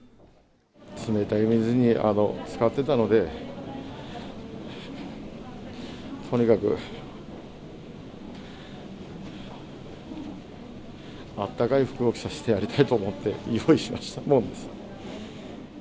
冷たい水につかってたので、とにかくあったかい服を着させてやりたいと思って用意しましたものです。